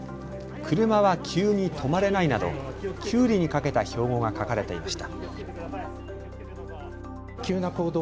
車は急に止まれないなどきゅうりにかけた標語が書かれていました。